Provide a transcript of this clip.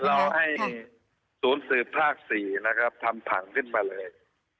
เราให้ศูนย์สืบภาค๔นะครับทำผังขึ้นมาเลย